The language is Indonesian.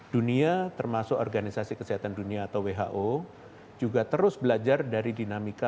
dunia termasuk organisasi kesehatan dunia atau who juga terus belajar dari dinamika